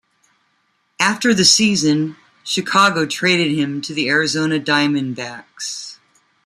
After the season, Chicago traded him to the Arizona Diamondbacks.